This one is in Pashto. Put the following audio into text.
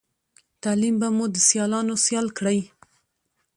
تعليم به مو د سیالانو سيال کړی